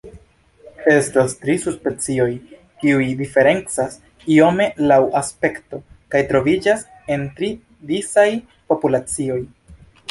Estas tri subspecioj, kiuj diferencas iome laŭ aspekto kaj troviĝas en tri disaj populacioj.